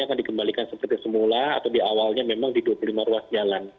akan dikembalikan seperti semula atau di awalnya memang di dua puluh lima ruas jalan